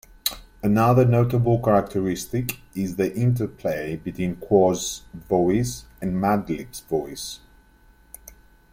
Another notable characteristic is the interplay between Quas' voice and Madlib's voice.